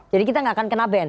jadi kita gak akan kena ban